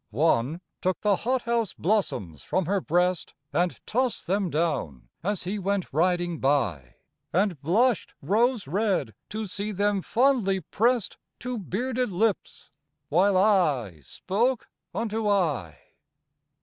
One took the hot house blossoms from her breast, And tossed them down, as he went riding by. And blushed rose red to see them fondly pressed To bearded lips, while eye spoke unto eye.